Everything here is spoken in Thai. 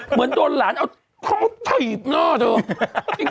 เหมือนโดนหลานเอาท่องถีบหน้าเถอะ